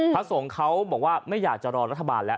พระสงฆ์เขาบอกว่าไม่อยากจะรอรัฐบาลแล้ว